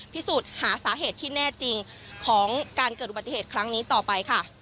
พิสูจน์หาสาเหตุที่แน่จริงของการเกิดอุบัติเหตุครั้งนี้ต่อไปค่ะ